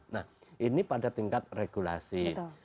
nah ini pada tingkat regulasi